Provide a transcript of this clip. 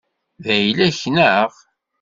D ayla-k, neɣ?